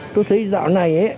tôi thấy dạo này